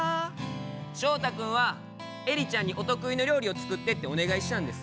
翔太君はエリちゃんにお得意の料理を作ってってお願いしたんです。